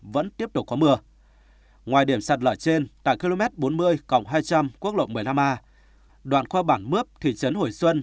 vẫn tiếp tục có mưa ngoài điểm sạt lở trên tại km bốn mươi cộng hai trăm linh quốc lộ một mươi năm a đoạn qua bảng mướp thị trấn hồi xuân